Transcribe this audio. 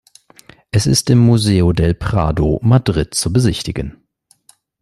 Es ist im Museo del Prado, Madrid, zu besichtigen.